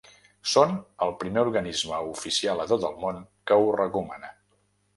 Són el primer organisme oficial a tot el món que ho recomana.